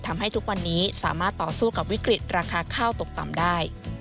ทำให้ทุกวันนี้สามารถต่อสู้กับวิกฤตราคาข้าวตกต่ำได้